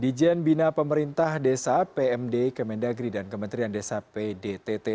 dijen bina pemerintah desa pmd kemendagri dan kementerian desa pdtt